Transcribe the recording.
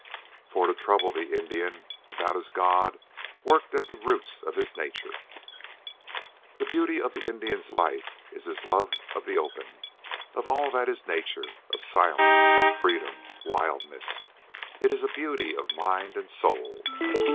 For to trouble the Indian about his god worked at the roots of his nature. "The beauty of the Indian's life is in his love of the open, of all that is nature, of silence, freedom, wildness. It is a beauty of mind and soul.